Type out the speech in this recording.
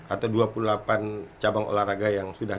atau dua puluh delapan cabang olahraga yang sudah